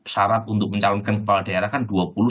syarat untuk mencalonkan kepala daerah kan